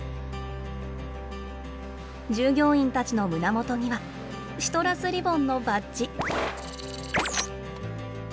従業員たちの胸元にはシトラスリボンのバッジ。